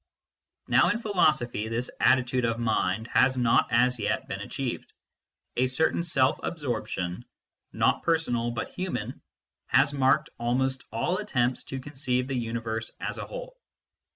Now in philosophy this attitude of mind has not as yet been achieved. A certain self absorption, not per sonal, but human, has marked almost all attempts to conceive the universe as a whole.